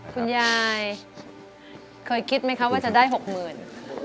คุณยายเคยคิดไหมคะว่าจะได้๖๐๐๐บาท